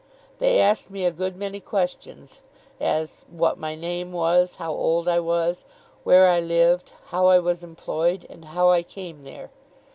They asked me a good many questions; as, what my name was, how old I was, where I lived, how I was employed, and how I came there.